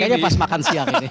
kayaknya pas makan siang